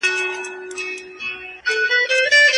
که زیاته ډوډۍ ماڼۍ ته یوړل نه سي، بد به وي.